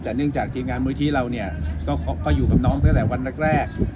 แต่เนื่องจากทีมงานมูลที่เราเนี่ยก็อยู่กับน้องตั้งแต่วันแรก